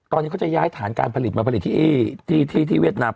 ตอนนี้เขาจะย้ายฐานการผลิตมาผลิตที่เวียดนาม